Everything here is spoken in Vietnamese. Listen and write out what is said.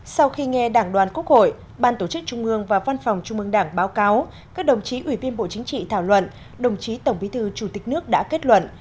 sau khi nghe đảng đoàn quốc hội ban tổ chức trung ương và văn phòng trung mương đảng báo cáo các đồng chí ủy viên bộ chính trị thảo luận đồng chí tổng bí thư chủ tịch nước đã kết luận